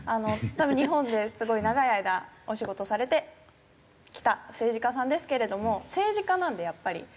日本ですごい長い間お仕事をされてきた政治家さんですけれども政治家なんでやっぱり。